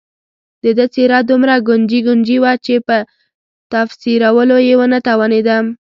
د ده څېره دومره ګونجي ګونجي وه چې په تفسیرولو یې ونه توانېدم.